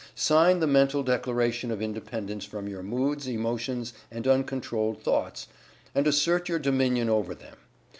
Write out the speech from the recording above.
Sign the mental Declaration of Independence from your moods, emotions, and uncontrolled thoughts, and assert your Dominion over them.